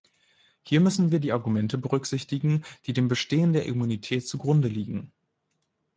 Hier müssen wir die Argumente berücksichtigen, die dem Bestehen der Immunität zugrunde liegen.